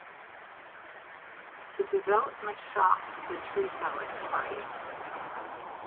The development shocked the tree-felling party.